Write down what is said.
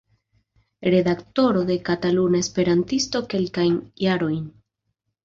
Redaktoro de Kataluna Esperantisto kelkajn jarojn.